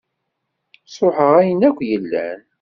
Ṣṛuḥeɣ ayen akk yellan.